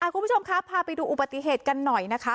คุณผู้ชมครับพาไปดูอุบัติเหตุกันหน่อยนะคะ